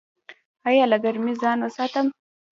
ایا له ګرمۍ ځان وساتم؟